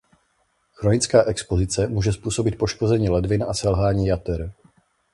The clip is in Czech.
Chronická expozice může způsobit poškození ledvin a selhání jater.